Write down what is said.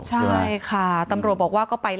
ใช่ค่ะตำรวจบอกว่าก็ไป